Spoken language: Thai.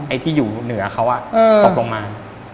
ที่อยู่เหนือเขาตกลงมา